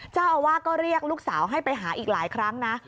เจ้าอาวาสก็เรียกลูกสาวให้ไปหาอีกหลายครั้งนะ